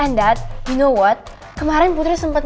and dad you know what kemarin putri sempet